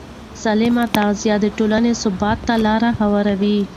سالمه تغذیه د ټولنې ثبات ته لاره هواروي.